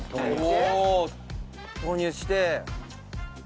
投入して。